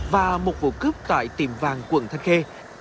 và một vụ cướp tại tiềm vàng quận thanh khê